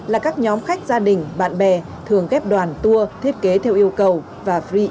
là các nhóm khách gia đình bạn bè thường ghép đoàn tour thiết kế theo yêu cầu và free